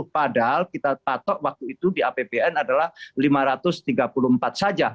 padahal kita patok waktu itu di apbn adalah lima ratus tiga puluh empat saja